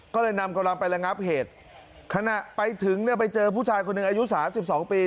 ก็เลยนำกำลังไประงับเหตุขณะไปถึงเนี่ยไปเจอผู้ชายคนหนึ่งอายุสามสิบสองปี